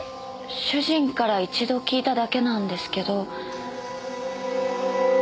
主人から一度聞いただけなんですけど。